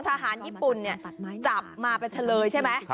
ทหารญี่ปุ่นจับมาเป็นเฉลยใช่ไหม